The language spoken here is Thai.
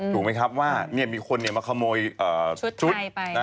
ถูกไหมครับว่ามีคนมาขโมยชุด